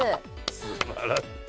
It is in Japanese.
すばらしい。